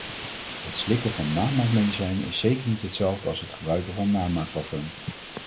Het slikken van namaakmedicijnen is zeker niet hetzelfde als het gebruiken van namaakparfum.